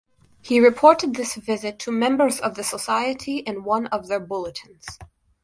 He reported this visit to members of the society in one of their bulletins.